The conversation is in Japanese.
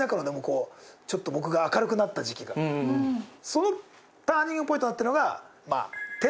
そのターニングポイントだったのが。